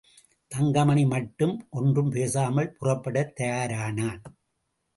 தங்கமணி மட்டும் ஒன்றும் பேசாமல் புறப்படத் தயாரானான்.